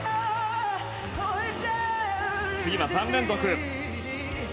次は３連続。